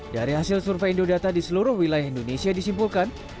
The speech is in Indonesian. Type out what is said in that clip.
dari hasil survei indodata di seluruh wilayah indonesia disimpulkan